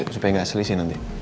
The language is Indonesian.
supaya gak asli sih nanti